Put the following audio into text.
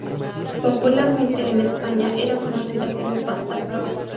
Popularmente en España, era conocida como Pasta Flora.